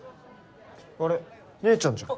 あれ姉ちゃんじゃん。